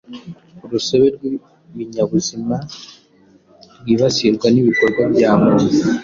urusobe rw’ibinyabuzima rwibasirwa n’ibikorwa bya muntu